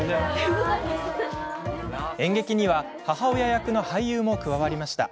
演劇には母親役の俳優も加わりました。